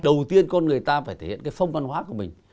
đầu tiên con người ta phải thể hiện cái phong văn hóa của mình